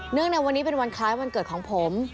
ในวันนี้เป็นวันคล้ายวันเกิดของผม